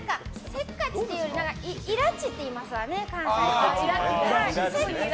せっかちというよりいらちって言いますわね、関西は。